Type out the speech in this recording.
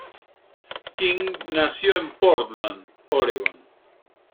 King nació en Portland, Oregón.